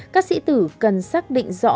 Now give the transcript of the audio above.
các sĩ tử cần xác định rõ